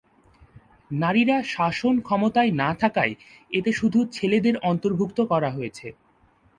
নারীরা শাসন ক্ষমতায় না থাকায় এতে শুধু ছেলেদের অন্তর্ভুক্ত করা হয়েছে।